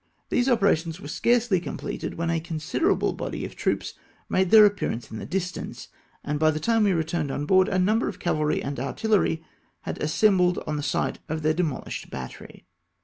These operations were scarcely com pleted, when a considerable body of troops made their appearance in the distance, and by the time we retiu"ned on board, a number of cavahy and artillery had as sembled on the site of their demolished battery.